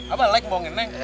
abah like ngebohongin nek